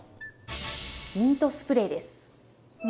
ミントスプレー？